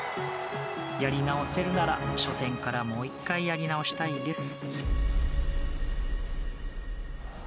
やり直せるなら初戦からもう１回やり直したいです。